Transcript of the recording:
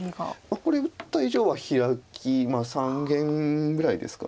これ打った以上はヒラキ三間ぐらいですか。